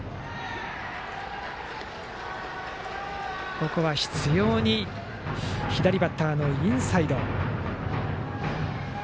ここは執ように左バッターのインサイドへ。